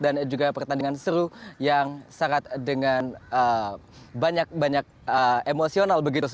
dan juga pertandingan seru yang sangat dengan banyak banyak emosional begitu